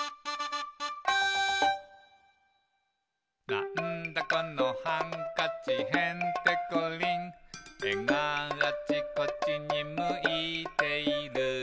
「なんだこのハンカチへんてこりん」「えがあちこちにむいている」